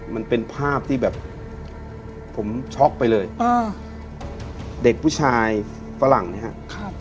มันเป็นภาพที่แบบผมช็อกไปเลยอ่าเด็กผู้ชายฝรั่งเนี่ยครับ